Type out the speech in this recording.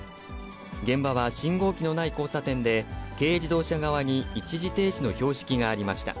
現場は信号機のない交差点で、軽自動車側に一時停止の標識がありました。